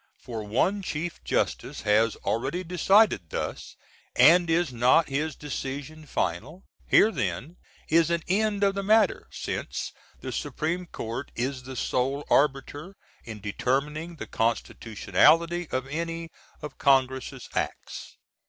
For one Chief Justice has already decided thus; and is not his decision final? Here then is an end of the matter; since the Sup. Court is the Sole Arbiter in determining the Constitutionality of any of Congress' acts.